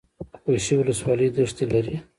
خوشي ولسوالۍ دښتې لري؟